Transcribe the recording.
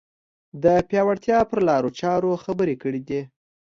د پیاوړتیا پر لارو چارو خبرې کړې دي